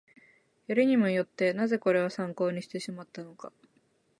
よりにもよって、なぜこれを参考にしてしまったのか